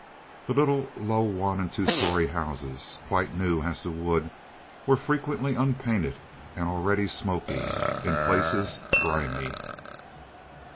The little low one and two story houses, quite new as to wood, were frequently unpainted and already smoky—in places grimy.